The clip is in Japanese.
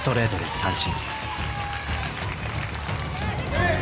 三振。